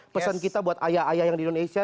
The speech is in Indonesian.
pesan kita buat ayah ayah yang di indonesia